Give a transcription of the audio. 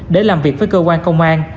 để làm việc với cơ quan công an